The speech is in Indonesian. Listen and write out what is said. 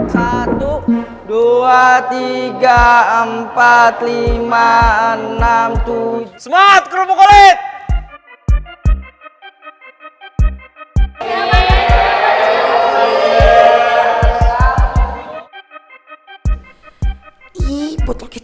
satu dua tiga